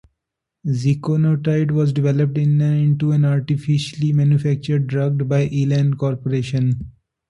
Ziconotide was developed into an artificially manufactured drug by Elan Corporation.